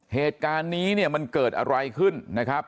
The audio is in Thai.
เหตุการณ์นี้เนี่ยมันเกิดอะไรขึ้นนะครับ